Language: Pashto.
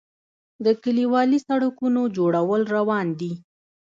د کلیوالي سړکونو جوړول روان دي